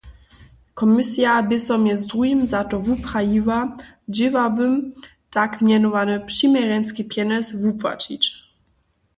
Komisija bě so mjez druhim za to wuprajiła, dźěławym tak mjenowany přiměrjenski pjenjez wupłaćić.